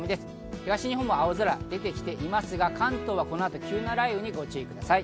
東日本も青空が出てきていますが、関東はこの後、急な雷雨にご注意ください。